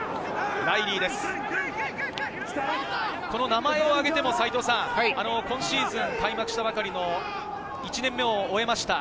名前を挙げても今シーズン開幕したばかりの１年目を終えました